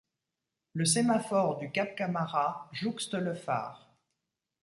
Le sémaphore du Cap Camarat jouxte le phare.